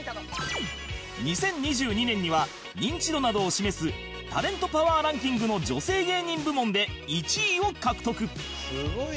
２０２２年には認知度などを示す「タレントパワーランキング」の女性芸人部門で１位を獲得